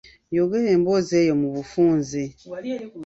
Yogera emboozi eyo mu bufunze.